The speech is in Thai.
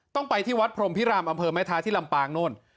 ไปที่วัดพรมพิรามอำเภอแม่ท้าที่ลำปางโน่น